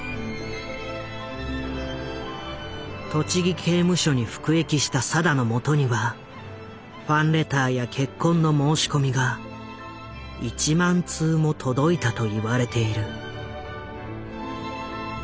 栃木刑務所に服役した定のもとにはファンレターや結婚の申し込みが１万通も届いたと言われている。